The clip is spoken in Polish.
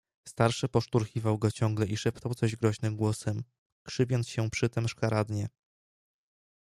"Starszy poszturchiwał go ciągle i szeptał coś groźnym głosem, krzywiąc się przytem szkaradnie."